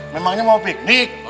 memangnya mau piknik